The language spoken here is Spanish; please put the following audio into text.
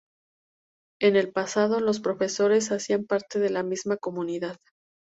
En el pasado, los profesores hacían parte de la misma comunidad.